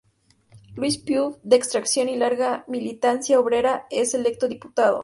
Luis Puig, de extracción y larga militancia obrera, es electo diputado.